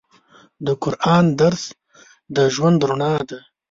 د قرآن درس د ژوند رڼا ده.